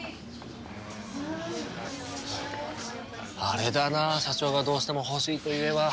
あれだな社長がどうしても欲しいという絵は。